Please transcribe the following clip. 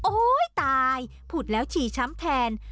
โอ๊ยตายพูดแล้วฉีช้ำแทน